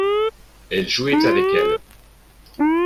elle jouait avec elle.